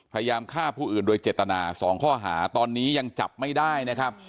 พยายามฆ่าผู้อื่นโดยเจตนาสองข้อหาตอนนี้ยังจับไม่ได้นะครับ